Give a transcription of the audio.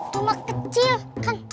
cuma kecil kan